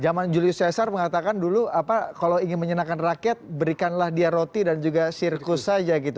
zaman julius cesar mengatakan dulu kalau ingin menyenangkan rakyat berikanlah dia roti dan juga sirkus saja gitu